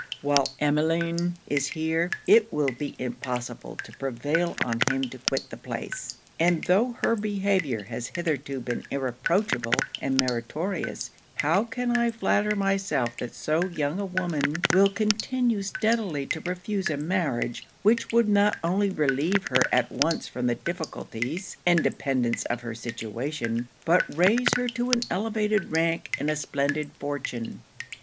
While Emmeline is here, it will be impossible to prevail on him to quit the place: and though her behaviour has hitherto been irreproachable and meritorious, how can I flatter myself that so young a woman will continue steadily to refuse a marriage, which would not only relieve her at once from the difficulties and dependance of her situation, but raise her to an elevated rank, and a splendid fortune.'